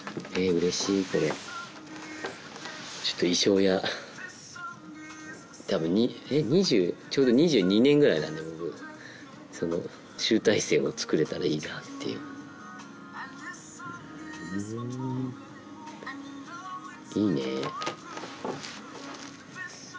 うれしいこれちょっと衣装屋多分２０ちょうど２２年ぐらいなんで僕その集大成を作れたらいいなっていうふんいいね